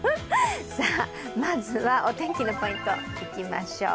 まずはお天気のポイントいきましょう。